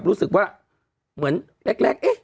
พี่โอ๊คบอกว่าเขินถ้าต้องเป็นเจ้าภาพเนี่ยไม่ไปร่วมงานคนอื่นอะได้